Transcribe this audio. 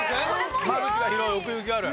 間口が広い奥行がある。